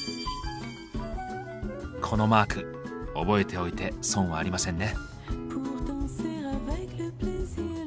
このマーク覚えておいて損はありませんね。